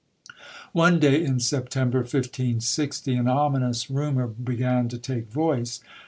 One day, in September 1560, an ominous rumour began to take voice.